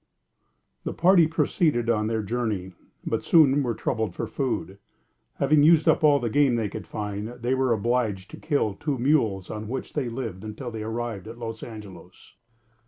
The party proceeded on their journey, but soon were troubled for food. Having used up all the game they could find, they were obliged to kill two mules, on which they lived until they arrived at Los Angelos.